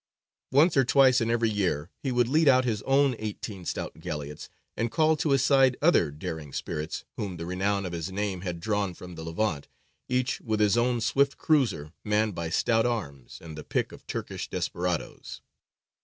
Once or twice in every year he would lead out his own eighteen stout galleots, and call to his side other daring spirits whom the renown of his name had drawn from the Levant, each with his own swift cruiser manned by stout arms and the pick of Turkish desperadoes.